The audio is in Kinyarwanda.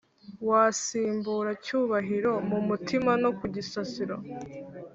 wasimbura cyubahiro mumutima nokugisasiro